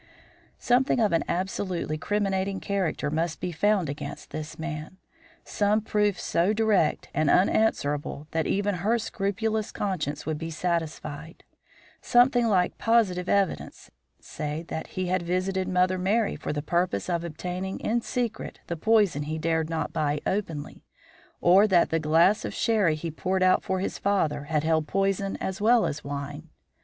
Something of an absolutely criminating character must be found against this man; some proof so direct and unanswerable that even her scrupulous conscience would be satisfied; something like positive evidence, say, that he had visited Mother Merry for the purpose of obtaining in secret the poison he dared not buy openly, or that the glass of sherry he poured out for his father had held poison as well as wine.